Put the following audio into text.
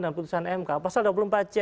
dalam putusan mk pasal dua puluh empat c